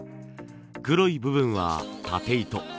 黒い部分はタテ糸。